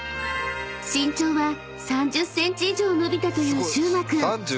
［身長は３０ｃｍ以上伸びたという朱馬君］